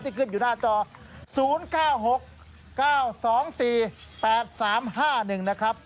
ขึ้นอยู่หน้าจอ๐๙๖๙๒๔๘๓๕๑นะครับ